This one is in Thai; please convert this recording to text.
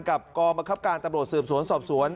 กองบังคับการตำรวจสืบสวนสอบสวน